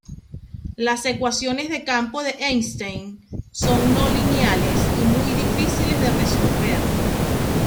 Las ecuaciones de campo de Einstein son no lineales y muy difíciles de resolver.